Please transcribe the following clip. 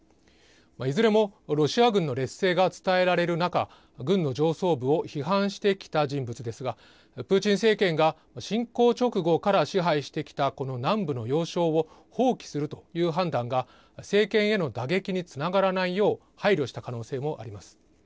いずれもロシア軍の劣勢が伝えられる中、軍の上層部を批判してきた人物ですが、プーチン政権が侵攻直後から支配してきたこの南部の要衝を放棄するという判断が、政権への打撃につながらないよう配慮した可能性もあります。